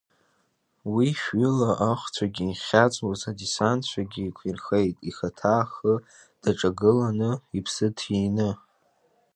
Уи шәҩыла ахәцәагьы, ихьаҵуаз адесантцәагьы еиқәирхеит, ихаҭа ахы даҿагыланы, иԥсы ҭины.